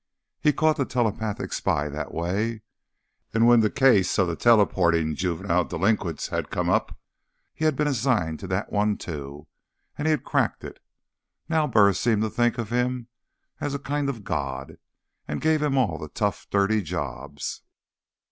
He'd caught the Telepathic Spy that way, and when the case of the Teleporting Juvenile Delinquents had come up he'd been assigned to that one too, and he'd cracked it. Now Burris seemed to think of him as a kind of God, and gave him all the tough dirty jobs.